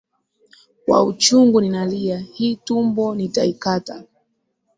Kwa uchungu ninalia, hii tumbo nitaikata,